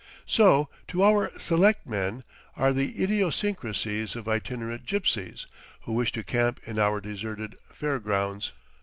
So, to our "selectmen," are the idiosyncrasies of itinerant gypsies who wish to camp in our deserted fair grounds.